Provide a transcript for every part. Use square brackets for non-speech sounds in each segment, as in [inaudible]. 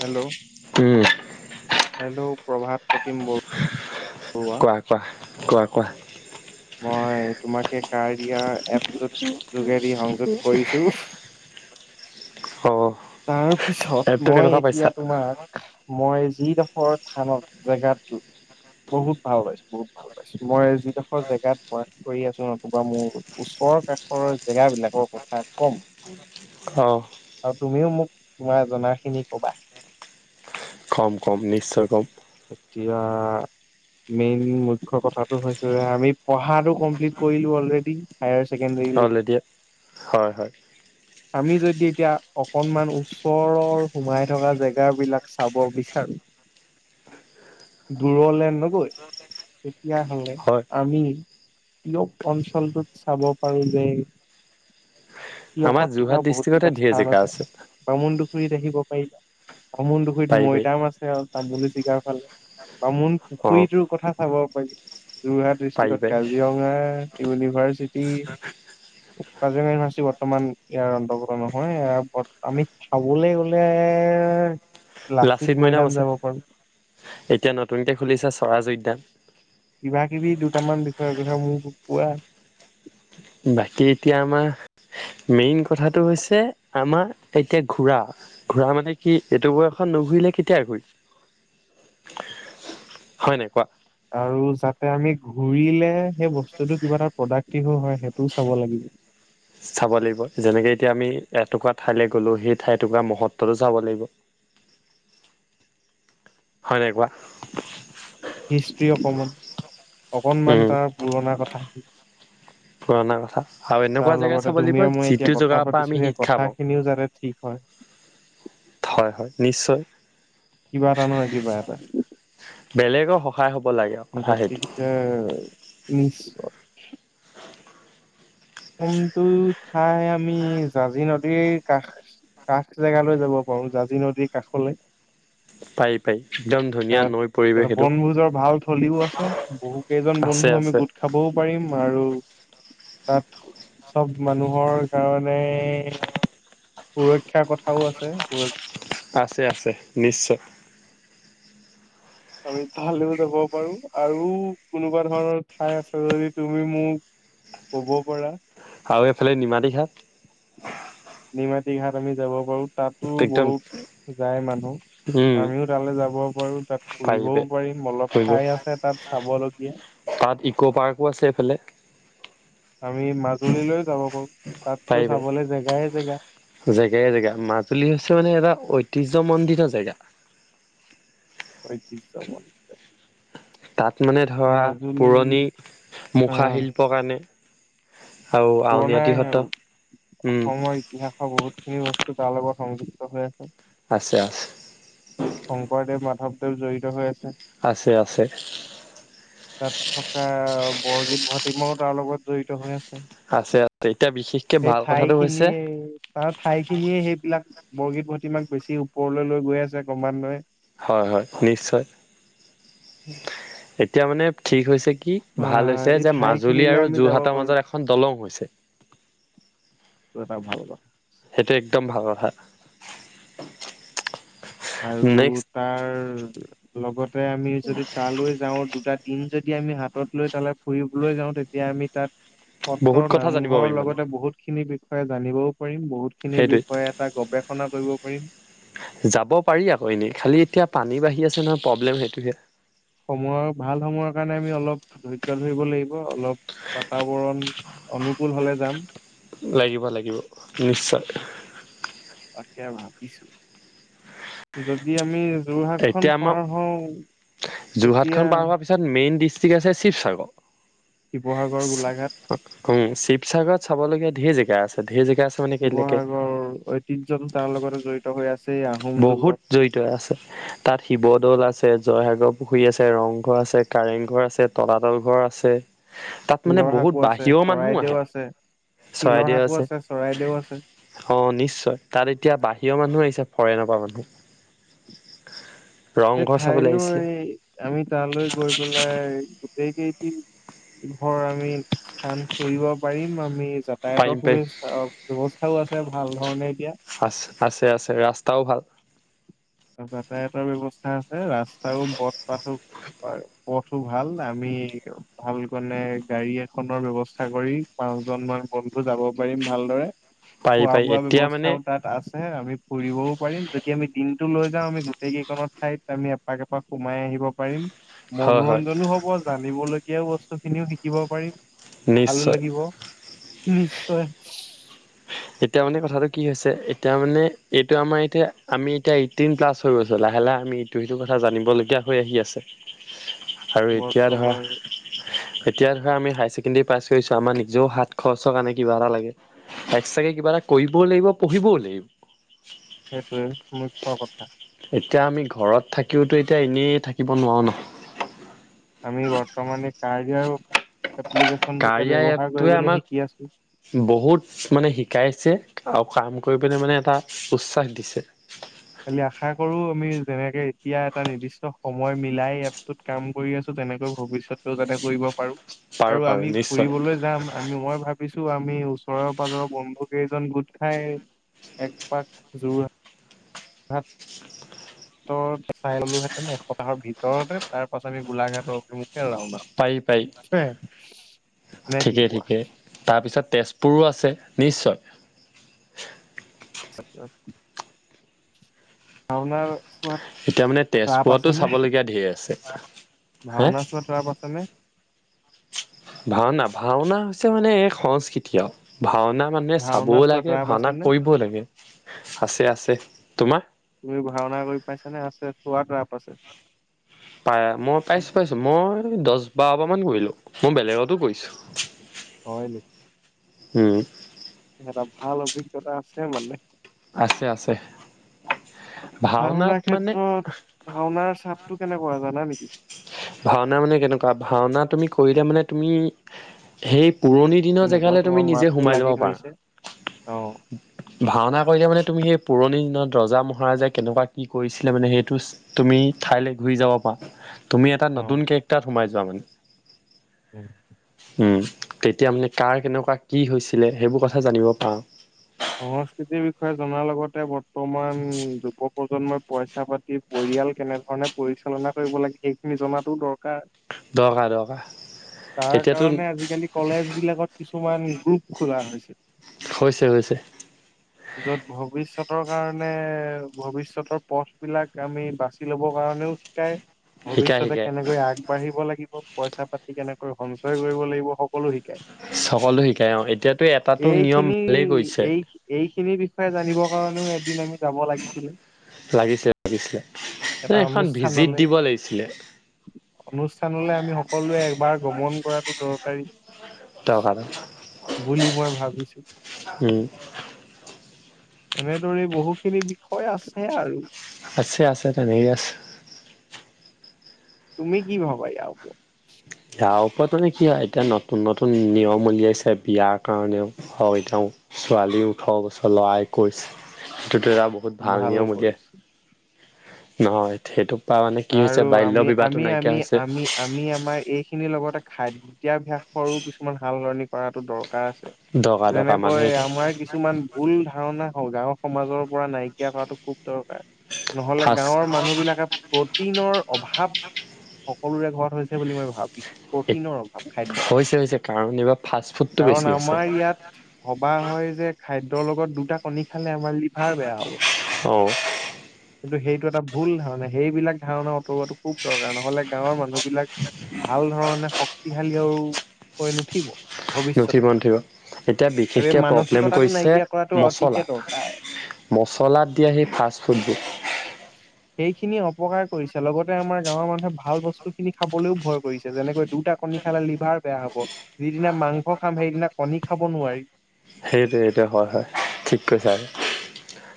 Hello, um, hello, Prabhat Pratim ব কোৱা কোৱা কোৱা কোৱা? মই তোমাকে কাৰয়া এপটোত যোগেদি সংযোগ কৰিছো। অ', তাৰ পিছত এপটো মই কেনেকুৱা পাইছা? এতিয়া তোমাক মই যিডখৰ থানত জেগাটো বহুত ভাল পাইছো, বহুত ভাল পাইছো, মই যিড খৰ জেগাত বাস কৰি আছো নতুবা মোৰ ওচৰ কাষৰ জেগাবিলাকৰ কথা ক'ম। অহ। আৰু তুমিও মোক তোমাৰ জনাখিনি ক'বা। কম কম নিশ্চয় কম। এতিয়া মেইন মুখ্য কথাটো হৈছে যে আমি পঢ়াটো কমপ্লিট কৰিলো অলৰেডি। হায়াৰ চেকেণ্ডাৰীলেকে অলৰেডি হয় হয় আমি যদি এতিয়া অকনমান ওচৰৰ সোমাই থকা জেগাবিলাক চাব বিচাৰো দূৰলে নগৈ তেতিয়া হ'লে। হয় আমি টিয়ক অঞ্চলটোত চাব পাৰি যে আমাৰ টিয়কত থকা যোৰহাট বহুত ডিষ্ট্ৰিকতে কিটা ধেৰ স্থান জেগা আছে। বামুণডুখুৰীত আহিব পাৰিলা, বামুণডুখুৰীত পাৰি পাৰি মৈদাম আছ ছে আৰু তামুলী চিগাৰফালে, অ', বামুণপুখুৰীটোৰ কথা চাব পাৰি। যোৰহাট পাৰি ডিষ্ট্ৰিকত পাৰি কাজিৰঙা ইউনিভাৰ্চিটি কাজিৰঙা ইউনিভাৰ্চিটি বৰ্তমান ইয়াৰ অন্তৰ্গত নহয় ইয়াৰ বত আমি চাবলৈ গ'লে লাচিত মৈদাম যাব পাৰো। এতিয়া নতুনকে খুলিছে স্বৰাজ উদ্যান। কিবা কিবি দুটামান বিষয়ে কথা মোক কোৱা? বাকী এতিয়া আমাৰ মেইন কথাটো হৈছে আমাৰ এতিয়া ঘূৰা ঘূৰা মানে কি, এইটো বয়সত নুঘূৰিলে কেতিয়া ঘূৰি হয় নাই কোৱা? আৰু যাতে আমি ঘুৰিলে সেই বস্তুটো কিবা এটা প্ৰডাক্টিভো হয় সেইটোও চাব লাগিব। চাব লাগিব যেনেকে এতিয়া আমি এটুকুৰা ঠাইলৈ গ'লো সেই ঠাই এটুকুৰা মহত্বটো চাব লাগিব। হয় নাই কোৱা? হিষ্ট্ৰ্ৰী অকণমান, অকণমান উম, তাৰ পুৰণা কথা পুৰণা কথা আৰু এনেকুৱা তাৰ জেগা লগতে চাব লাগিব তুমি মই এতিয়া যিটো কথা জেগাৰ পৰা আমি পাতিছো সেই শিক্ষা পাওঁ কথাখিনিও যাতে ঠিক হয়। [inaudible] থয় হয় নিশ্চয়। কিবা এটা নহয় কিবা এটা। বেলেগৰ সহায় হ'ব লাগে। আৰু কথা সেইটো গতিকে নিশ্চয়। কোনটো ঠাই আমি জাজি নদীৰ কাষ কাষ জেগালৈ যাব পাৰো জাজি নদীৰ কাষলৈ? পাৰি পাৰি একদম ধুনীয়া তাত নৈ পৰিৱেশ তাতে সেইটো বনভোজৰ ভাল থলীও আছে বহু কেইজন আছে বন্ধু আমি আছে গোট খাবও পাৰিম আৰু তাত চব মানুহৰ কাৰণে সুৰক্ষাৰ কথাও আছে, সুৰক আছে আছে নিশ্চয়। আমি তালৈও যাব পাৰোঁ আৰু কোনোবা ধৰণৰ ঠাই আছে যদি তুমি মোক ক'ব পৰা আৰু এইফালে নিমাতী ঘাট নিমাতী ঘাট আমি যাব পাৰোঁ তাতো একদম বহুত যায় মানুহ। উম আমিও তালৈ যাব পাৰোঁ তাত ফুৰিবও পাৰিবে পাৰিম অলপ কৰিব ঠাই আছে তাত চাব লগীয়া। তাত ইকো পাৰ্কো আছে এইফালে। আমি মাজুলীলৈও যাব পাৰোঁ তাতো পাৰিবে চাবলৈ জেগাই জেগা। জেগাই জেগা মাজুলী হৈছে মানে এটা ঐতিহ্যমণ্ডিত জেগা। ঐতিহ্যমণ্ডিত তাত মানে ধৰা মাজুলী পুৰণি মুখা আহ শিল্পৰ কাৰণে আৰু আউনীআটী পুৰণাই সত্ৰ আৰু উম অসমৰ ইতিহাসৰ বহুত খিনি বস্তু তাৰ লগত সংযুক্ত হৈ আছে। আছে আছে। শংকৰদেৱ মাধৱদেৱ জড়িত হৈ আছে। আছে আছে। তাত থকা বৰগীত ভাটিমাও তাৰ লগত জড়িত হৈ আছে। আছে আছে এতিয়া বিশেষকে সেই ভাল ঠাই কথাটো হৈছে। খিনিয়ে তাৰ ঠাই খিনিয়ে সেইবিলাক বৰগীত ভটমাক বেছি ওপৰলৈ লৈ গৈ আছে ক্ৰমান্বয়ে। হয় হয় নিশ্চয়। এতিয়া মানে ঠিক হৈছে কি ভাল আহ হৈছে এই যে ঠাই মাজুলী খিনিলে আৰু আমি যাব যোৰহাটৰ পাৰো মাজত এখন দলং হৈছে। সেইটো এটা ভাল কথা। সেইটো একদম ভাল কথা। আৰু নেক্সট তাৰ লগতে আমি যদি তালৈ যাওঁ দুটা দিন যদি আমি হাতত লৈ তালৈ ফুৰিবলৈ যাওঁ তেতিয়া আমি তাত সত্ৰ বহুত কথা জানিব নামঘৰৰ পাৰিম মানে লগতে বহুত খিনি বিষয়ে জানিবও পাৰিম বহুত। খিনিৰ সেইটোৱে বিষয়ে এটা গৱেষণা কৰিব পাৰিম। যাব পাৰি আকৌ এনেই খালী এতিয়া পানী বাঢ়ি আছে নহয় প্ৰব্লেম সেইটোহে। সময়ৰ ভাল সময়ৰ কাৰণে আমি অলপ ধৈৰ্য্য ধৰিব লাগিব অলপ বাতাবৰণ অনুকুল হলে যাম। লাগিব লাগিব নিশ্চয়। আৰু ক ভাবিছোঁ, যদি আমি যোৰহাট খন এতিয়া আমাৰ পাৰ হওঁ তেতিয়া তাত মেইন ডিষ্ট্ৰিক্ট আছে শিৱসাগৰ। শিৱসাগৰ, গোলাঘাট অ শিৱসাগৰত চাবলগীয়া ধেৰ জেগা আছে ধেৰ জেগা মানে কেলেকে শিৱসাগৰৰ ঐতিহ্যটো তাৰ লগতে জড়িত হৈ আছে। বহুত জড়িত হৈ আছে। তাত শিৱদৌল আছে, জয়সাগৰ পুখুৰী আছে, ৰংঘৰ আছে, কাৰেং ঘৰ আছে, তলাতল ঘৰ আছে। তাত মানে শিলৰ শাকো বহুত আছে বাহিৰৰ মানুহ চৰাইদেউ আহে। আছে শিলৰ চৰাইদেউ শাকো আছে। চৰাইদেউ আছে অ নিশ্চয় তাত এতিয়া বাহিৰৰ মানুহ আহিছে ফৰেনৰ পৰা মানুহ সেই ৰংঘৰ চাবলৈ আহিছিলে। ঠাইলৈ আমি তালৈ গৈ পেলাই গোটেই কেইটি ধৰ আমি স্থান ফুৰিব পাৰিম আমি। পাৰিম যাতায়াতৰ পাৰিম সুবিচা ব্যৱস্থাও আছে ভাল ধৰণে এতিয়া। আছে আছে আছে ৰাস্তাও ভাল। যাতায়তৰ ব্যয়ৱস্থা আছে ৰাস্তাও পথ পাথো বাৰু পথো ভাল আমি ভাল কেণে গাড়ী এখনৰ ব্যৱস্থা কৰি পাঁচ জন মান বন্ধু যাব পাৰিম ভালদৰে। পাৰি খোৱা পাৰি বোৱা এতিয়া মানে ব্যৱস্থাও তাত আ ছে আমি ফুৰিবও পাৰিম, যদি আমি দিনটো লৈ যাওঁ আমি গোটেই কেইখনত ঠাইত আমি এপাক এপাক সোমাই আহিব পাৰিম। হয় হয় মনোৰঞ্জনো হ'ব, জানিবলগীয়াও বস্তু খিনিও শিকিব পাৰিম ভাল নিশ্চয় লাগিব। নিশ্চয়। এতিয়া মানে কথাটো কি হৈছে এতিয়া মানে এইটো আমাৰ এতিয়া আমি এতিয়া এইটিন প্লাছ হৈ গৈছো লাহে লাহে আমি ইটো সিটো কথা জানিবলগীয়া হৈ আহি আছে। আৰু এতিয়া ধৰা বৰ্তমান এতিয়া ধৰা আমি হাই ছেকেণ্ডেৰী পাছ কৰিছো আমাৰ নিজেও সাত খৰচৰ কাৰণে কিবা এটা লাগে। চাগে কিবা এটা কৰিবও লাগিব পঢ়িবও লাগিব। সেইটোৱে মুখ্য কথা। এতিয়া আমি ঘৰত থাকিওতো এতিয়া এনেই থাকিব নোৱাৰো নহয়। আমি বৰ্তমানে কাৰয়া এপ্লিকেনটোকে কাৰিয়া ব্যৱহাৰ এপটোৱে কৰিবলৈ আমাক শিকি আছো। বহুত মানে শিকাইছে আৰু কাম কৰিবলৈ মানে এটা উৎসা দিছে। খালি আশা কৰো আমি যেনেকে এতিয়া এটা নিৰ্দিষ্ট সময় মিলাই এপটোত কাম কৰি আছো তেনেকৈ ভৱিষ্যতও যাতে কৰিব পাৰো পাৰো আৰু পাৰো আমি নিশ্চয় ফুৰিবলৈ যাম আমি মই ভাবিছো আমি ওচৰৰ পাজৰৰ বন্ধু কেইজন গোট খাই একপাক যোৰ হাট ৰ চাই ললোহেঁতেন একসপ্তাহৰ ভিতৰতে তাৰ পাছত আমি গোলাঘাটৰ অভি মুখে ৰাওনা পাৰি পাৰি হোম নে কি ঠিকেই কোৱা? ঠিকেই তাৰপিছত তেজপুৰো আছে নিশ্চয়। [unintelligible] ভাওঁনা [unintelligible] এতিয়া মানে তেজপুৰতো চাবলগীয়া ধেৰ আছে। হা? ভাওনা চোৱাত ৰাপ আছেনে ভাওঁনা ভাওঁনা হৈছে মানে এক সংস্কৃতিয় ভাওঁনা মানে ভাওনা চাবও চোৱাত লাগে ৰাপ ভাওঁনা আছেনে কৰিবও লাগে। আছে আছে তোমাৰ? তুমি ভাওঁনা কৰি পাইছা নে আছে চোৱাত ৰাপ আছে? পাই মই পাইছোঁ পাইছোঁ। মই দহ বাৰ বাৰমান কৰিলো মই বেলেগতো কৰিছো। হয় নেকি? উম এটা ভাল অভিজ্ঞতা আছে মানে। আছে আছে। পঢ়া ভাওনাত শুনাৰ মানে ক্ষেত্ৰত ভাওঁনাৰ চাপটো কেনেকুৱা জানা নেকি? ভাওঁনা মানে কেনেকুৱা ভাওঁনা তুমি কৰিলে মানে তুমি সেই পুৰণি দিনৰ কেনেকুৱা জেগালৈ তুমি তোমাৰ নিজে মাতটো সোমাই যাব লাগি পাৰা ধৰিছে। অ', ভাওঁনা কৰিলে মানে তুমি সেই পুৰণি দিনত ৰজা মহাৰাজাই কেনেকুৱা কি কৰিছিলে মানে সেইটো তুমি ঠাইলৈ ঘূৰি যাব পাৰা তুমি এটা অ', নতুন কেৰেক্টাৰত সোমাই যোৱা মানে। উম। উম, তেতিয়া মানে কাৰ কেনেকুৱা কি হৈছিলে সেইবোৰ কথা জানিব পাৰা। সংস্কৃতিৰ বিষয়ে জনাৰ লগতে বৰ্তমান যুৱ প্ৰজন্মই পইচা পা তি পৰিয়াল কেনেধৰণে পৰিচালনা কৰিব লাগে সেইখিনি জনাতো দৰকাৰ। দৰকাৰ দৰকাৰ তাৰ এতিয়াতো কাৰণে আজিকালি কলেজ বিলাকত কিছুমান গ্ৰুপ খোলা হৈছে। হৈছে হৈছে। য'ত ভৱিষ্যতৰ কাৰণে, ভৱিষ্যতৰ পথবিলাক আমি বাচি ল'বৰ কাৰণেও শিকায়, শিকাই ভৱিষ্যতে শিকাই কেনেকৈ আগবাঢ়িব লাগিব, পইচা পাতি কেনেকৈ সঞ্চয় কৰিব লাগিব, সক সকলো শিকাই অ', এতিয়াতো এটাটো নিয়ম ভালেই কৰিছে এই-এইখিনিৰ বিষয়ে জানিবৰ কাৰণেও একদিন আমি যাব লাগিছিলে। লাগিছিলে লাগিছিলে, এটা এ-এখন ভিজিট দিব লাগিছিলে। অনুষ্ঠানলৈ আমি সকলোৱে একবাৰ গমন কৰাটো দৰকাৰী। টকা এটা বুলি মই ভাবিছোঁ। উম। এনেদৰে বহুখিনি বিষয় আছে আৰু। আছে আছে, তেনেকে আছে। তুমি কি ভাবা ইয়াৰ ওপৰত? বিয়াৰ ওপৰত মানে কি আৰু, এতিয়া নতুন নতুন নিয়ম উলিয়াইছে বিয়াৰ কাৰণেও হয় তেওঁ, ছোৱালীৰ ওঠৰ বছৰ, ল'ৰাৰ একৈশ, সেইটোতো যাব বহুত ভাল নিয়ম উলিয়াইছে, নহয়, সেইটো আৰু হৈছে আমি-আমি-আমি-আমি-আমি আমাৰ এই খিনিৰ লগতে খাদ্যাভাসৰো কিছুমান সাল-সলনি কৰাতো দৰকাৰ আছে। দৰকাৰ দৰকাৰ মানুহে যেনেকৈ এতিয়া আমাৰ কিছুমান ভুল ধাৰণা হ'লগৈ, আমাৰ গাঁৱৰ সমাজৰ পৰা নাইকিয়া কৰাটো খুব দৰকাৰ। নহ'লে ফাষ্ট গাঁৱৰ মানুহবিলাকে প্ৰটিনৰ অভাৱ সকলোৰে ঘৰত হৈছে বুলি মই ভাব ৱিছোঁ, প্ৰটিনৰ অভাৱ খাদ্যত, হৈছে হৈছে কাৰণ এইবাৰ ফাষ্ট ফুডটো কাৰণ বেছি হৈছে আমাৰ ইয়াত ভবা হয় যে খাদ্যৰ লগত দুটা কণী খালে আমাৰ লিভ ভাৰ বেয়া হ'ব, অ কিন্তু সেইটো এটা ভুল ধাৰণা সেইবিলাক ধাৰণা আঁতৰোৱাতো খুব দৰকাৰ, নহ'লে গাঁৱৰ মানুহবিলাক ভাল ধৰণে শক শক্তিশালী আৰু হৈ নুঠিব। নুঠিব ভৱিষ্যতে নুঠিব, এতিয়া আৰু এই বিশেষকৈ প্ৰব্লেম মানসিকতাটো কৰিছে নাইকিয়া কৰাটো মচলা অতিকে দৰকাৰ মচলাত দিয়া সেই ফাষ্ট ফুডবোৰ [inaudible] সেইখিনি অপকাৰ কৰিছে, লগতে আমাৰ গাঁৱৰ মানুহে ভাল বস্তুখিনি খাবলৈও ভয় কৰিছে, যেনেকৈ দুটা কণী খালে লিভাৰ বেয়া হ'ব, যিদিনা মাংস খাম সেইদিনা কণী খাব নোৱাৰি সেইটোৱে সেইটোৱে, হয় হয়, ঠিক কৈছা তুমি।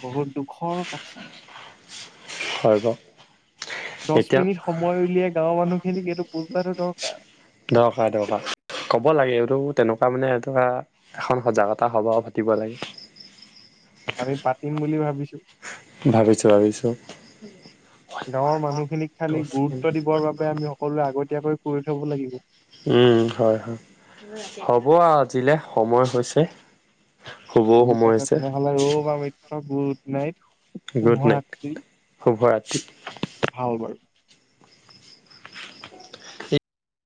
বহুত দুখৰ কথা, হয় বাৰু দছ এতিয়া মিনিট সময় উলিয়াই গাঁৱৰ মানুহখিনিক এইটো বুজোৱাটো দৰকাৰ। দৰকাৰ দৰকাৰ, ক'ব লাগে, এইটো তেনেকুৱা মানে এটা এখন সজাগতা সভাও পাতিব লাগে। আমি পাতিম বুলি ভাবিছোঁ। ভাবিছোঁ, ভাবিছোঁ। গাঁৱৰ মানুহখিনিক খালি গুৰুত্ব দিবৰ বাবে আমি সকলোৱে আগতীয়াকৈ কৰি থ'ব লাগিব। উম, হয় হয়, হ'ব আৰু আজিলৈ সময় হৈছে। শুবও ঠিক সময় আছে হৈছে তেনেহ'লে, ৰ'বা মিত্ৰ, গুড নাইট গুড নাইট, শুভৰাত্ৰি শুভৰাত্ৰি। ভাল হ'ল বাৰু।